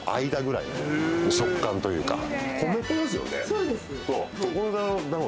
そうです。